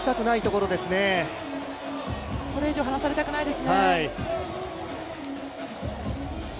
これ以上離されたくないですね。